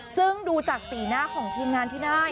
ซึ่งดูจากสีหน้าของทีมงานที่ได้